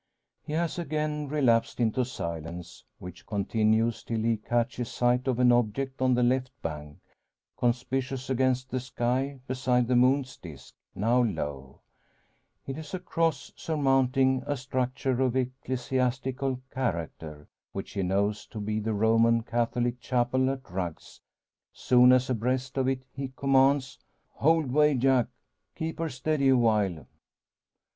He has again relapsed into silence, which continues till he catches sight of an object on the left bank, conspicuous against the sky, beside the moon's disc, now low. It is a cross surmounting a structure of ecclesiastical character, which he knows to be the Roman Catholic chapel at Rugg's. Soon as abreast of it he commands "Hold way, Jack! Keep her steady awhile!"